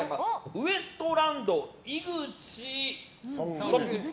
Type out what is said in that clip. ウエストランド井口ソング。